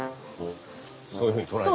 そういうふうに捉えて。